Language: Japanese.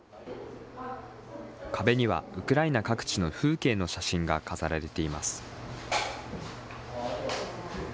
壁にはウクライナ各地の風景の写真が飾られています。